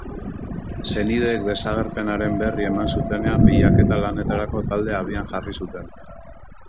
Senideek desagerpenaren berri eman zutenean bilaketa lanetarako taldea abian jarri zuten.